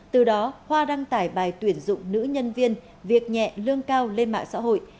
từ đó hoa đăng tải bài tuyển dụng nữ nhân viên việc nhẹ lương cao lên mạng xã hội